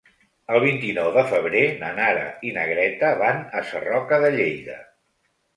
El vint-i-nou de febrer na Nara i na Greta van a Sarroca de Lleida.